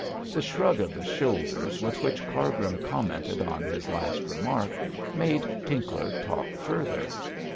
The shrug of the shoulders with which Cargrim commented on his last remark made Tinkler talk further.